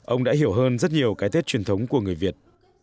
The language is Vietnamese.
ông đã hiểu hơn rất nhiều cái tết truyền thống của người việt